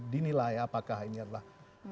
dinilai apakah ini adalah